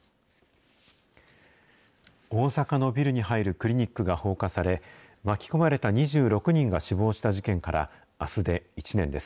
大阪のビルに入るクリニックが放火され、巻き込まれた２６人が死亡した事件から、あすで１年です。